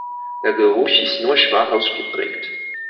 Der Geruch ist nur schwach ausgeprägt.